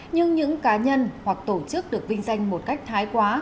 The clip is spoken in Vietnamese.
nhưng những cá nhân hoặc tổ chức được vinh danh một cách thái quá